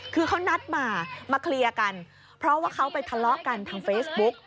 คือเขานัดมามาเคลียร์กันเพราะว่าเขาไปทะเลาะกันทางเฟซบุ๊ก